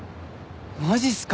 マジっすか？